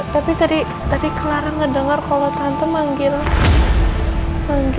tapi tadi clara ngedengar kalau tante manggil clara anakku